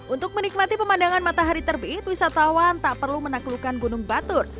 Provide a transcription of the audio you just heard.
untuk menikmati pemandangan matahari terbit wisatawan tak perlu menaklukkan gunung batur